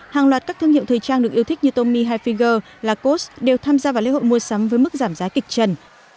hàng loạt các thương hiệu thời trang được yêu thích như tommy highfiger lacoste đều tham gia vào lễ hội mua sắm với mức giảm giá kịch trần